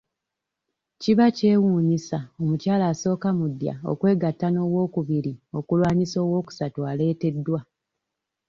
Kiba kyewuunyisa omukyala asooka mu ddya okwegatta n'owookubiri okulwanyisa owookusatu aleeteddwa.